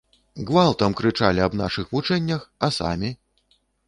Гвалтам крычалі аб нашых вучэннях, а самі?